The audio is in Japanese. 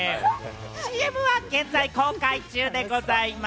ＣＭは現在公開中でございます。